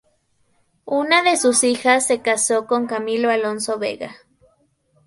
Una de sus hijas se casó con Camilo Alonso Vega.